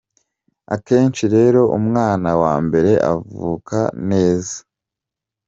Akenshi rero umwana wa mbere avuka neza.